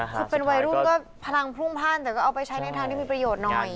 คือเป็นวัยรุ่นก็พลังพรุ่งพ่านแต่ก็เอาไปใช้ในทางที่มีประโยชน์หน่อย